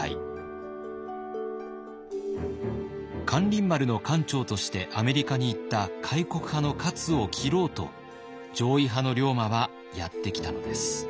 咸臨丸の艦長としてアメリカに行った開国派の勝を斬ろうと攘夷派の龍馬はやって来たのです。